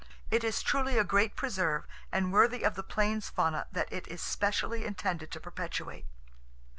It is truly a great preserve, and worthy of the plains fauna that it is specially intended to perpetuate.